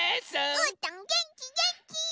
うーたんげんきげんき！